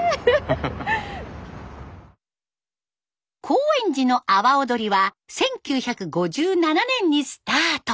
高円寺の阿波おどりは１９５７年にスタート。